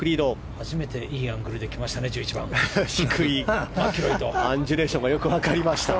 初めて１１番いいアングルがきましたね。